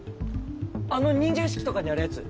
あの忍者屋敷とかにあるやつ？